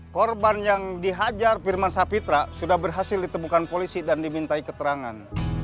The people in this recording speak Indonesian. korban yang dihajar firman sapitra sudah berhasil ditemukan polisi dan dimintai keterangan